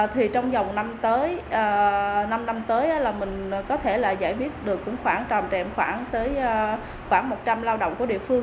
thì trong vòng năm tới năm năm tới là mình có thể là giải viết được cũng khoảng tròm trệm khoảng một trăm linh lao động của địa phương